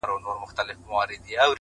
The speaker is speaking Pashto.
چي يو ځل بيا څوک په واه .واه سي راته.